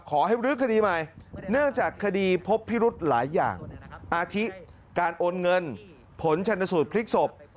ขอให้รื้อคดีใหม่เนื่องจากคดีพบพิรุธหลายอย่างอาทิการโอนเงินผลชนสูตรพลิกศพ